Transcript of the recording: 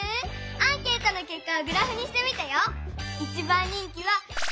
アンケートのけっかをグラフにしてみたよ！